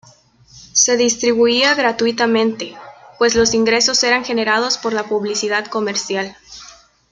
Se distribuía gratuitamente, pues los ingresos eran generados por la publicidad comercial.